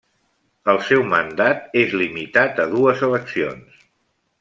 El seu mandat és limitat a dues eleccions.